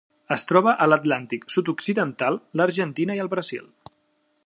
Es troba a l'Atlàntic sud-occidental: l'Argentina i el Brasil.